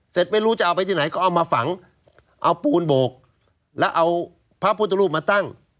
ไม่รู้จะเอาไปที่ไหนก็เอามาฝังเอาปูนโบกแล้วเอาพระพุทธรูปมาตั้ง